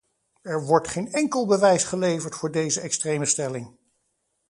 Er wordt geen enkel bewijs geleverd voor deze extreme stelling.